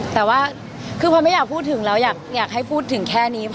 แต่ว่าคือพอไม่อยากพูดถึงแล้วอยากให้พูดถึงแค่นี้